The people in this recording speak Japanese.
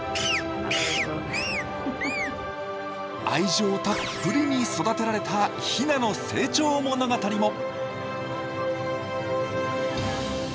愛情たっぷりに育てられたヒナの成長物語も。